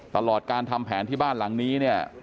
ตลอดการทำแผนที่บ้านหลังนี้เนี่ย